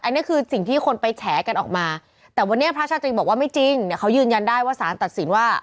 อันนี้คือสิ่งที่คนไปแฉกันออกมาแต่วันนี้พระชาตรีบอกว่าไม่จริงเนี่ยเขายืนยันได้ว่าสารตัดสินว่า